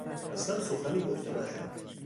اصلا سخنی گفته نشد.